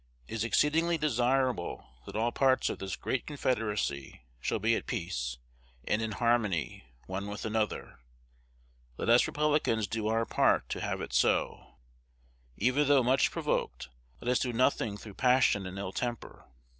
It is exceedingly desirable that all parts of this great Confederacy shall be at peace, and in harmony, one with another. Let us Republicans do our part to have it so. Even though much provoked, let us do nothing through passion and ill temper.